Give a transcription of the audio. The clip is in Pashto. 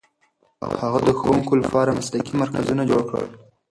هغه د ښوونکو لپاره مسلکي مرکزونه جوړ کړل.